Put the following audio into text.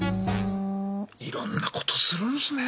いろんなことするんすね。